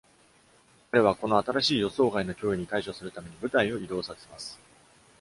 彼は、この新しい予想外の脅威に対処するために、部隊を移動させます。